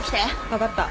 分かった。